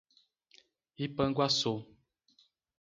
Ipanguaçu